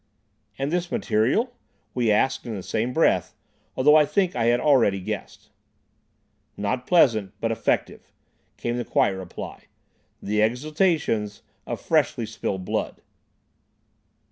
"And this material?" we asked in the same breath, although I think I had already guessed. "Not pleasant, but effective," came the quiet reply; "the exhalations of freshly spilled blood."